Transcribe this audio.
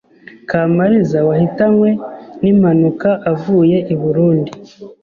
Kamaliza wahitanywe n’impanuka avuye i Burundi